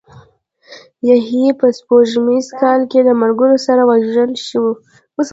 یحیی په سپوږمیز کال کې له ملګرو سره ووژل شو.